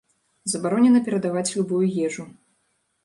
Забаронена перадаваць любую ежу.